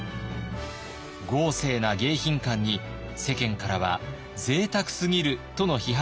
豪勢な迎賓館に世間からはぜいたくすぎるとの批判も浴びます。